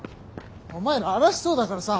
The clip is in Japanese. お前ら荒らしそうだからさ。